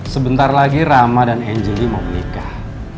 sebentar lagi rama dan angelie mau menikah